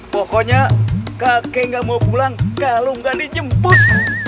pokoknya kakek gak mau pulang kalau nggak dijemput